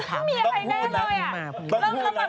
ว่าจะมีจะอนุญาตให้เราพูดรึเปล่า